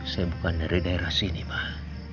saya bukan dari daerah sini mah